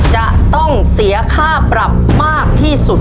จะต้องเสียค่าปรับมากที่สุด